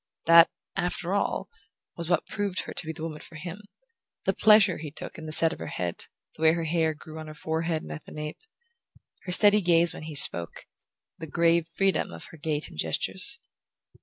That, after all, was what proved her to be the woman for him: the pleasure he took in the set of her head, the way her hair grew on her forehead and at the nape, her steady gaze when he spoke, the grave freedom of her gait and gestures.